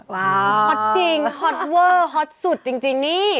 ฮอตจริงฮอตเวอร์ฮอตสุดจริงนี่